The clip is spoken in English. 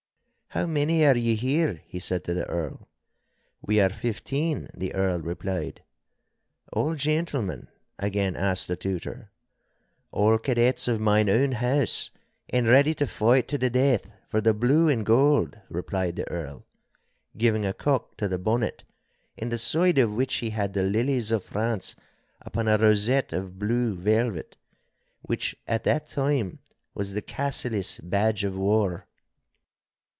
'How many are ye here?' he said to the Earl. 'We are fifteen,' the Earl replied. 'All gentlemen?' again asked the Tutor. 'All cadets of mine own house, and ready to fight to the death for the blue and gold!' replied the Earl, giving a cock to the bonnet, in the side of which he had the lilies of France upon a rosette of blue velvet, which (at that time) was the Cassillis badge of war.